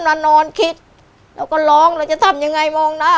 เราก็นอนคิดเราก็ร้องเราจะทำยังไงมองหน้า